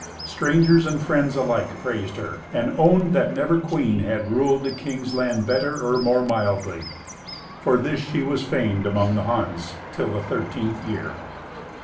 Strangers and friends alike praised her, and owned that never queen had ruled a king's land better or more mildly. For this she was famed among the Huns till the thirteenth year.